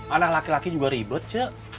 anak laki laki juga ribet cek